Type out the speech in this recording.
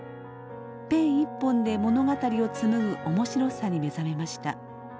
ペン一本で物語を紡ぐ面白さに目覚めました。